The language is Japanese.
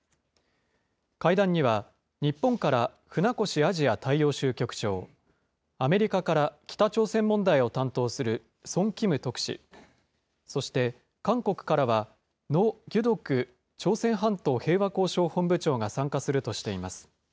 会談には、日本から船越アジア大洋州局長、アメリカから北朝鮮問題を担当するソン・キム特使、そして韓国からは、ノ・ギュドク朝鮮半島平和交渉本部長が参加するとしています。